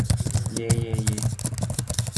The melody refrained throughout the film.